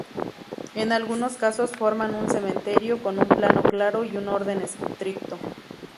En algunos casos forman un cementerio, con un plano claro y un orden estricto.